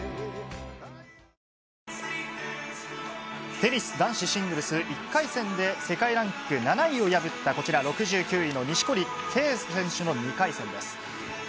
テニス男子シングルス、１回戦で世界ランク７位を破ったこちら、６９位の錦織圭選手の２回戦です。